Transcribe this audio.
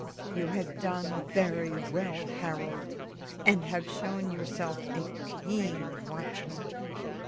You have done very well, Harold, and have shown yourself a keen watchman.